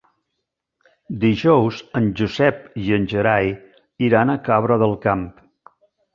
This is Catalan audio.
Dijous en Josep i en Gerai iran a Cabra del Camp.